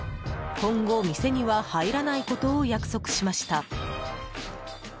今後、店には入らないことを約束しました。